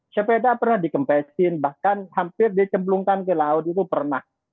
sepeda pernah dikempesin bahkan hampir dikemplungkan ke laut itu pernah